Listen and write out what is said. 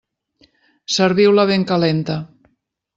Serviu-la ben calenta.